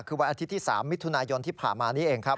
คือวันอาทิตย์ที่๓มิถุนายนที่ผ่านมานี้เองครับ